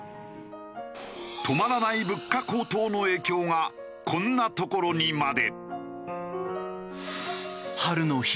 止まらない物価高騰の影響がこんなところにまで。